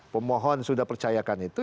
pemohon sudah percayakan itu